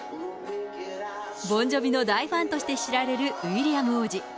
ボン・ジョヴィのファンだと知られるウィリアム王子。